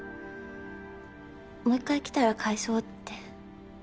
もう１回来たら返そうって。